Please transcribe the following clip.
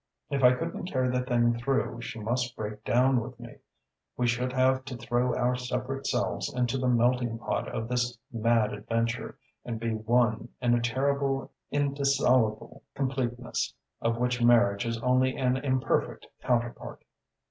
If I couldn't carry the thing through she must break down with me: we should have to throw our separate selves into the melting pot of this mad adventure, and be 'one' in a terrible indissoluble completeness of which marriage is only an imperfect counterpart....